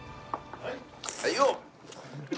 はいよ！